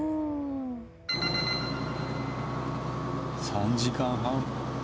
３時間半。